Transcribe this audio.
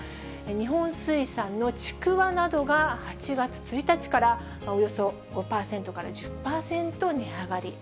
日本水産のちくわなどが８月１日から、およそ５％から１０％値上がり。